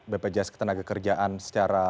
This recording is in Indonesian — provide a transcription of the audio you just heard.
bpjs ketenagakerjaan secara